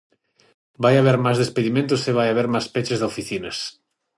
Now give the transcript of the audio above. Vai haber máis despedimentos e vai haber peches de oficinas.